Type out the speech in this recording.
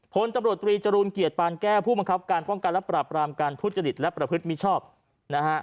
พลตำรวจตรีศรูนย์เกียรติปานแก้ผู้บังคับการภ้ำการรับประอบราบการทุขศรรศ์และประพฤติมีชอบน่ะฮะ